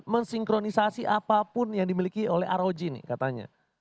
mensinkronisasi apapun yang dimiliki oleh rog nih katanya